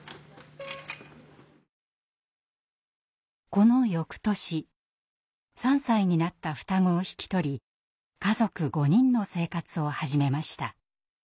この翌年３歳になった双子を引き取り家族５人の生活を始めました。